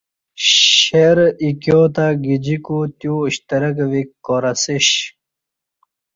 شیر ایکیو تہ گجیکو تیو شترک ویک کار اسیش